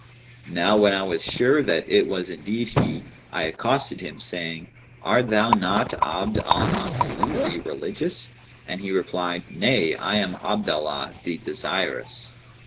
Now when I was sure that it was indeed he, I accosted him, saying, 'Art thou not Abd al Masih, the Religious?' and he replied, 'Nay, I am Abdallah, the Desirous.'